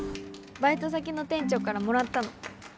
バイト先の店長からもらったの。